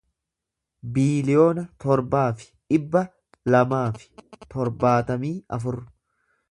biiliyoona torbaa fi dhibba lamaa fi torbaatamii afur